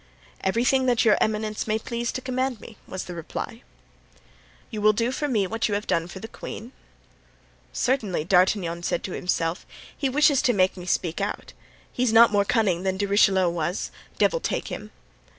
"Everything that your eminence may please to command me," was the reply. "You will do for me what you have done for the queen?" "Certainly," D'Artagnan said to himself, "he wishes to make me speak out. He's not more cunning than De Richelieu was! Devil take him!"